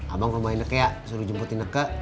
abang ke rumah i nekke ya suruh jemputin nekke